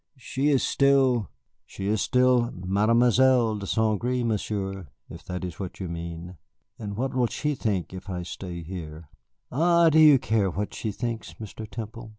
"She is still " "She is still Mademoiselle de St. Gré, Monsieur, if that is what you mean." "And what will she think if I stay here?" "Ah, do you care what she thinks, Mr. Temple?"